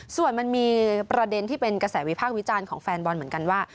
ส่วนมันมีประเด็นที่เป็นกระแสวิพากษ์วิจารณ์ของแฟนบอลเหมือนกันว่า